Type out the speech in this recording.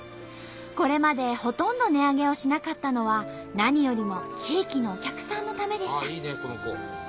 これまでほとんど値上げをしなかったのは何よりも地域のお客さんのためでした。